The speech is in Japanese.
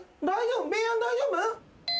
大丈夫？